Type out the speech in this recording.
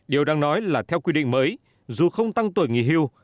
điều đang nói là theo quy định mới dù không tăng tuổi nghỉ hưu